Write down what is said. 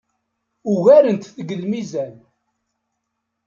Ugarent-t deg lmizan.